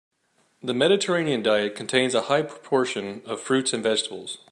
The Mediterranean diet contains a high proportion of fruits and vegetables.